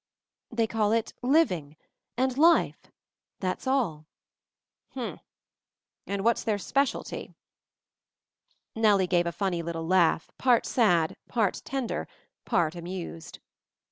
"They call it 'Living' and 'Life'— that's all." "Hm! and what's their specialty?" Nellie gave a funny little laugh, part sad, part tender, part amused.